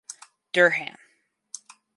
Durham.